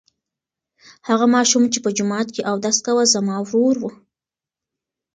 هغه ماشوم چې په جومات کې اودس کاوه زما ورور و.